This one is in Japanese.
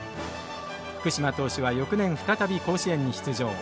福嶋投手は翌年再び甲子園に出場。